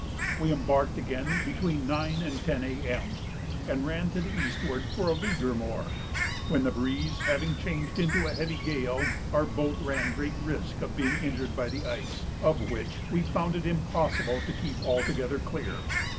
We embarked again between 9 and 10 A.M., and ran to the eastward for a league or more, when the breeze having changed into a heavy gale, our boat ran great risk of being injured by the ice, of which we found it impossible to keep altogether clear.